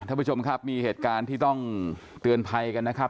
ท่านผู้ชมครับมีเหตุการณ์ที่ต้องเตือนภัยกันนะครับ